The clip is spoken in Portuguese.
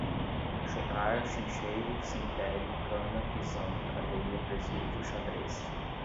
chocar, chincheiro, cemitério, cana, prisão, cadeia, presídio, xadrez